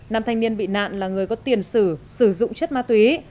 nam thanh niên bị nạn là người có tiền sử dụng chất ma túy